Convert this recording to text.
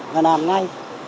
và làm ngay